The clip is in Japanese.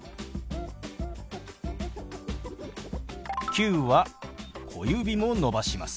「９」は小指も伸ばします。